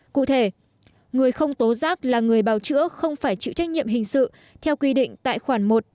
cụ thể người không tố giác là người bào chữa không phải chịu trách nhiệm hình sự theo quy định tại khoản một